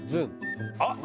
あっ！